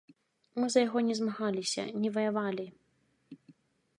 Мы за яго не змагаліся, не ваявалі.